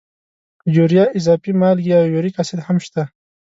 یوریا، اضافي مالګې او یوریک اسید هم شته.